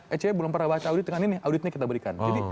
ec belum pernah baca audit dengan ini auditnya kita berikan